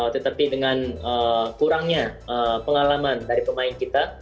tetapi dengan kurangnya pengalaman dari pemain kita